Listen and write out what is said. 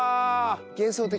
幻想的。